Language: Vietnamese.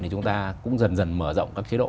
chúng ta cũng dần dần mở rộng các chế độ